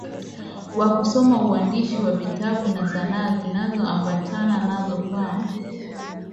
wa kusoma uandishi wa vitabu na sanaa zinazoambatana nazo kwa